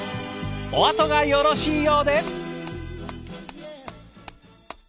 お後がよろしいようで！